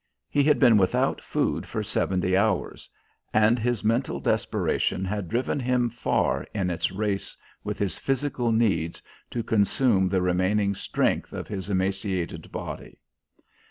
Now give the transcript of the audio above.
He had been without food for seventy hours, and his mental desperation had driven him far in its race with his physical needs to consume the remaining strength of his emaciated body.